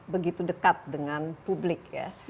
begitu dekat dengan publik ya